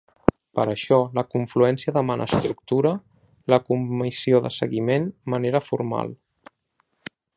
Per això, la confluència demana estructura la comissió de seguiment manera formal.